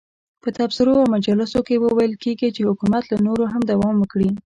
په تبصرو او مجالسو کې ویل کېږي چې حکومت که نور هم دوام وکړي.